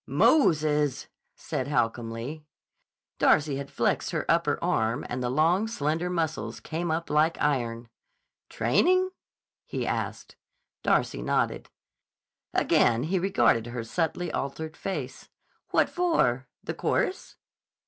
"Moses!" said Holcomb Lee. Darcy had flexed her upper arm and the long, slender muscles came up like iron. "Training?" he asked. Darcy nodded. Again he regarded her subtly altered face. "What for? The chorus?"